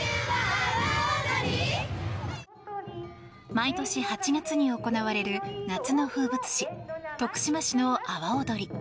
毎年８月に行われる夏の風物詩徳島市の阿波おどり。